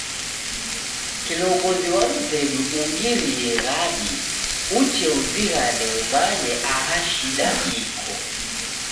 Kilongozi wa mzedu ungirie ghadi uche uzighane umanye aha shida iko.